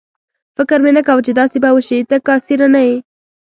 فکر مې نه کاوه چې داسې به وشي، ته کاسېره نه یې.